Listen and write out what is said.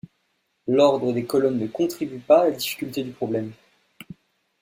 L'ordre des colonnes ne contribue pas à la difficulté du problème.